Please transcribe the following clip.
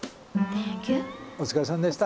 お疲れさまでした。